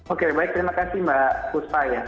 oke baik terima kasih mbak kustaya